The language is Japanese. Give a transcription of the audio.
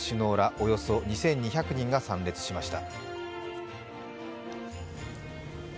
およそ２２００人も参列しました。